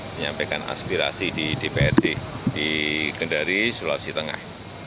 menyampaikan aspirasi di dprd di kendari sulawesi tengah